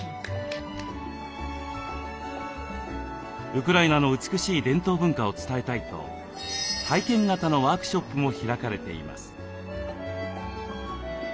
ウクライナの美しい伝統文化を伝えたいと体験型のワークショップも開かれています。